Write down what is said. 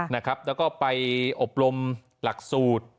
แล้วก็ไปอบรมหลักสูตร